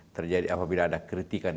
terjadi apabila ada kritikan